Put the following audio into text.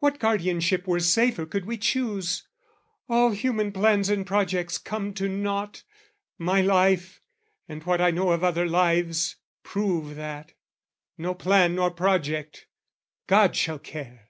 What guardianship were safer could we choose? All human plans and projects come to nought, My life, and what I know of other lives, Prove that: no plan nor project! God shall care!